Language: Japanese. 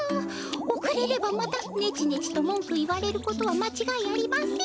おくれればまたネチネチともんく言われることはまちがいありません。